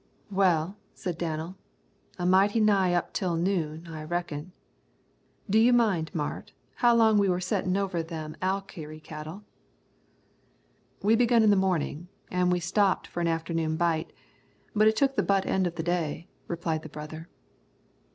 "Well," said Danel, "mighty nigh up till noon, I reckon. Do you mind, Mart, how long we were settin' over them Alkire cattle?" "We begun in the morning, and we stopp'd for an afternoon bite. It took the butt end of the day," replied the brother.